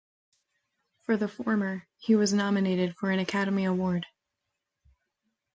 For the former, he was nominated for an Academy Award.